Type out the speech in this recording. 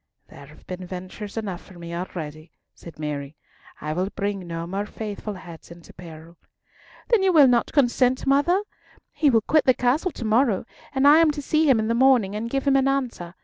"There have been ventures enough for me already," said Mary. "I will bring no more faithful heads into peril." "Then will you not consent, mother? He will quit the castle to morrow, and I am to see him in the morning and give him an answer.